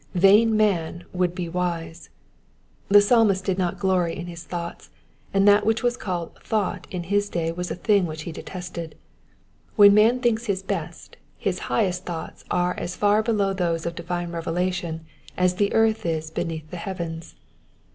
Vain man would be wise. The Psalmist did not glory in his thoughts ; and that which was called thought " in his day was a thing which he detested. When man thinks his be^t his highest thoughts are as far below those of divine revelation as the earth is beneath the heavens.